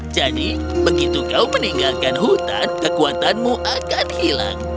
jadi begitu kau meninggalkan hutan kekuatanmu akan hilang